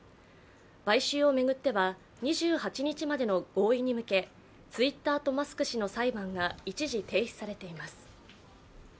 買収を巡っては２８日までの合意に向けツイッターとマスク氏の裁判が一時停止されています。